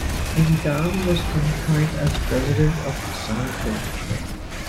In Tam was confirmed as President of the Sangkum.